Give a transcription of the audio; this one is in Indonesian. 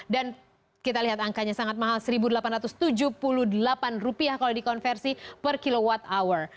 dan kita lihat angkanya sangat mahal rp satu delapan ratus tujuh puluh delapan kalau dikonversi per kilowatt hour